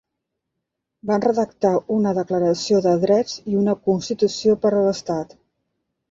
Van redactar una declaració de drets i una constitució per a l'Estat.